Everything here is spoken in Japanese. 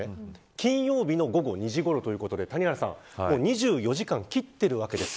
金曜日の午後２時ごろということで２４時間を切ってるわけです。